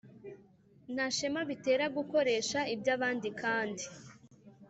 nta shema bitera gukoresha iby’abandi kandi